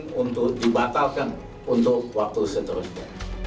kami ingin dibatalkan untuk waktu seterusnya